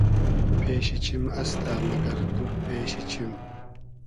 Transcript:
پېشی چیم استۂ مئگئر دور پېشی چیم